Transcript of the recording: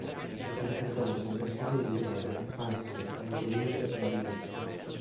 Interpretò un repertorio di drammi, farse, pantomime, balletti.